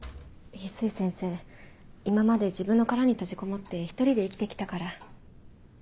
今まで自分の殻に閉じこもって一人で生きて来たから。